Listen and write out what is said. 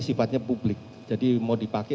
sifatnya publik jadi mau dipakai